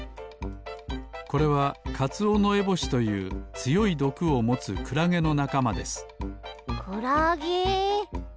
これはカツオノエボシというつよいどくをもつクラゲのなかまですクラゲ！？